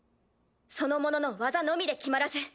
その者の技量のみで決まらず。